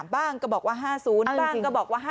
บ้างก็บอกว่า๕๐บ้างก็บอกว่า๕๐